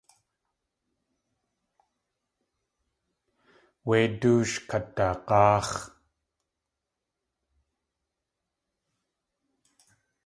Wé dóosh kadag̲áax̲.